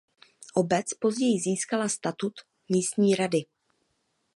Obec později získala status místní rady.